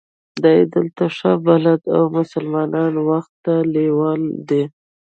دی دلته ښه بلد او د مسلمانانو خدمت ته لېواله دی.